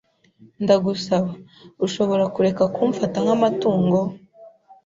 Ndagusaba, ushobora kureka kumfata nk'amatungo?